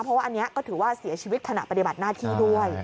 เพราะว่าอันนี้ก็ถือว่าเสียชีวิตขณะปฏิบัติหน้าที่ด้วย